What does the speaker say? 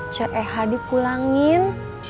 ce eha dipulangin